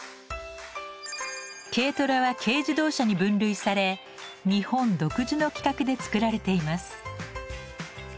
軽トラは軽自動車に分類され日本独自の規格で造られています。